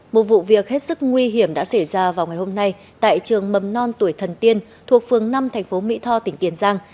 một vụ việc hết sức nguy hiểm đã xảy ra vào ngày hôm nay tại trường mầm non tuổi thần tiên thuộc phường năm thành phố mỹ tho tỉnh tiền giang